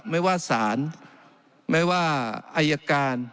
ไม่ว่าสารไม่ว่าอายการ